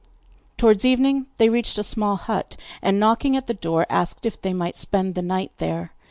Towards evening they reached a small hut, and knocking at the door, asked if they might spend the night there.